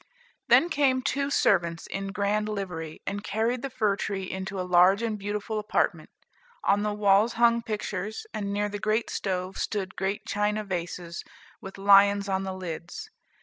Then came two servants in grand livery, and carried the fir tree into a large and beautiful apartment. On the walls hung pictures, and near the great stove stood great china vases, with lions on the lids.